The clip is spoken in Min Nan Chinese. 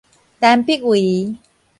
陳柏惟